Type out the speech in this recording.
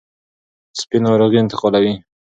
سپي ناروغي انتقالوي.